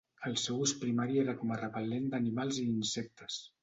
El seu ús primari era com a repel·lent d'animals i insectes.